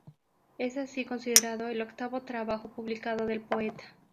Es así considerado el octavo trabajo publicado del poeta.